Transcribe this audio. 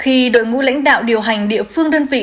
khi đội ngũ lãnh đạo điều hành địa phương đơn vị